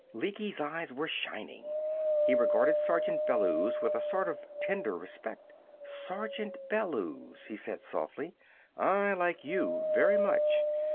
Lecky's eyes were shining. He regarded Sergeant Bellews with a sort of tender respect. "Sergeant Bellews," he said softly, "I like you very much.